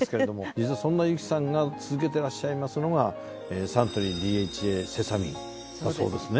実はそんな由紀さんが続けてらっしゃいますのがサントリーＤＨＡセサミンだそうですね。